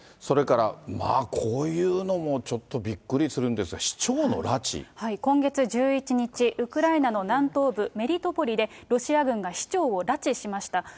それから、こういうのもちょっとびっくりするんですが、市長今月１１日、ウクライナの南東部メリトポリで、ロシア軍が市長を拉致しました。